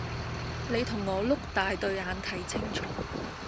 你同我碌大對眼睇清楚